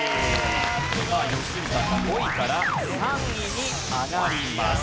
良純さんが５位から３位に上がります。